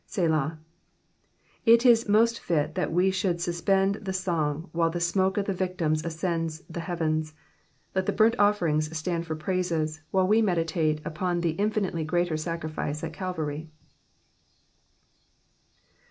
*'Selah.''^ It is Rioft fit that we shoald suspend the song while the smoke of the Tictims ascends the heaTens ; let the bomt offerings stand for praises while we mediute npon the infinitely greater sacrifice of Catrarf.